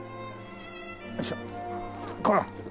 よいしょっこら！